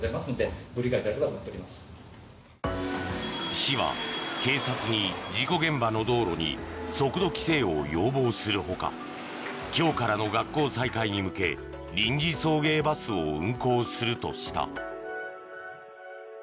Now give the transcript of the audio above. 市は、警察に事故現場の道路に速度規制を要望するほか今日からの学校再開に向け臨時送迎バスを運行するとした。